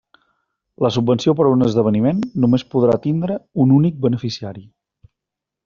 La subvenció per a un esdeveniment només podrà tindre un únic beneficiari.